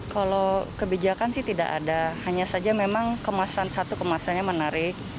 kalau kebijakan sih tidak ada hanya saja memang kemasan satu kemasannya menarik